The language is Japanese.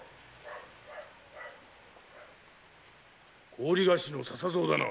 ・・高利貸しの笹蔵だな。